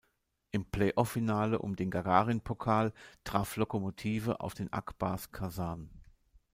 Im Playoff-Finale um den Gagarin-Pokal traf Lokomotive auf den Ak Bars Kasan.